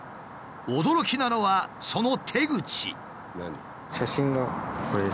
驚きなのはその手口。